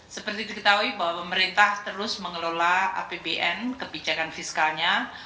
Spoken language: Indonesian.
seperti diketahui bahwa pemerintah terus mengelola apbn kebijakan fiskalnya